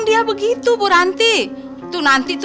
dari mana itu